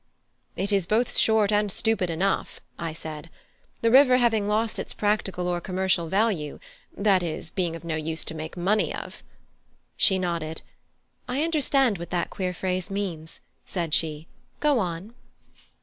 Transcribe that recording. "It is both short and stupid enough," said I. "The river having lost its practical or commercial value that is, being of no use to make money of " She nodded. "I understand what that queer phrase means," said she. "Go on!"